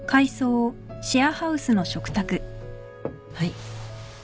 はい